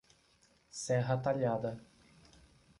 Serra Talhada